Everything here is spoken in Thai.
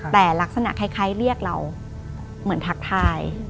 แต่ลักษณะคล้ายเรียกเราเหมือนทักทาย